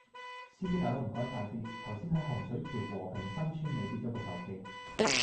司機大佬唔該快啲，頭先喺洪水橋和平新村里跌左部手機